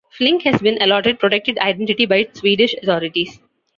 Flink has been allotted protected identity by Swedish Authorities.